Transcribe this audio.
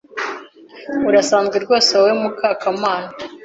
Urasanzwe rwose wowe muka Kamana.